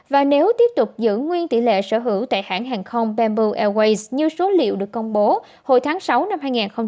và nếu tiếp tục giữ nguyên tỷ lệ sở hữu tại hãng hàng không bamboo airways như số liệu được công bố hồi tháng sáu năm hai nghìn hai mươi ba